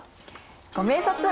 ご明察！